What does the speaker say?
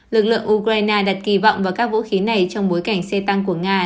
lực lượng ukraine đặt kỳ vọng vào các vũ khí này trong bối cảnh xe tăng của nga